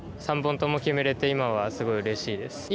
３本とも決めれて今は、すごいうれしいです。